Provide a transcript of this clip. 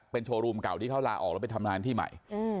โชว์รูมเก่าที่เขาลาออกแล้วไปทำงานที่ใหม่